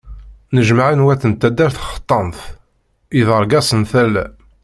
Nnejmaɛen wat n taddert xeṭṭan-t, yeḍreg-asen tala.